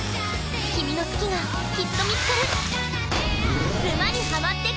君の好きがきっと見つかる。